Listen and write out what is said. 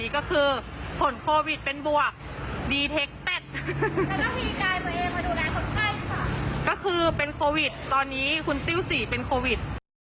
ก็คือเป็นโควิดตอนนี้คุณติ้ว๔เป็นโควิด